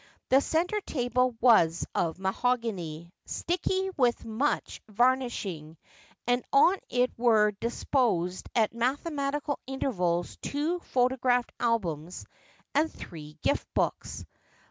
The centre table was of mahogany, sticky with much varnishing, and on it were disposed at mathematical intervals two photograph albums and three gift books.